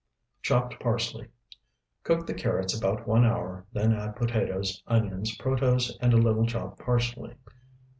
Chopped parsley. Cook the carrots about one hour, then add potatoes, onions, protose, and a little chopped parsley.